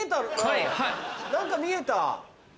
何か見えた。